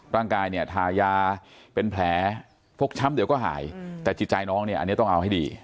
ร่างกายเนี่ยทายาเป็นแผลฟกช้ำเดี๋ยวก็หายแต่จิตใจน้องเนี่ยอันนี้ต้องเอาให้ดี